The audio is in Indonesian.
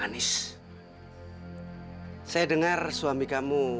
bakal spring awaken meng lageimaku